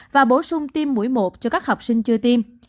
và bổ sung tiêm mũi một cho các học sinh chưa tiêm